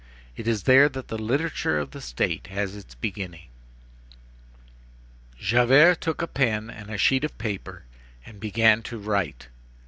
It is there that the literature of the State has its beginning. Javert took a pen and a sheet of paper, and began to write.